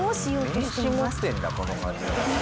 名刺持ってるんだこの感じで。